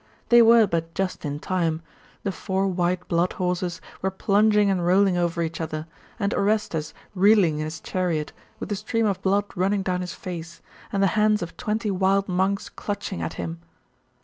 They were but just in time. The four white blood horses were plunging and rolling over each other, and Orestes reeling in his chariot, with a stream of blood running down his face, and the hands of twenty wild monks clutching at him.